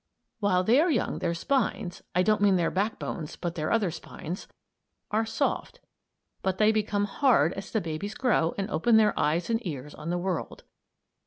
While they are young their spines I don't mean their back bones, but their other spines are soft, but they become hard as the babies grow and open their eyes and ears on the world.